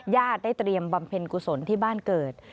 ได้เตรียมบำเพ็ญกุศลที่บ้านเกิด